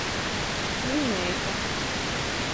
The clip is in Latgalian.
Lineika.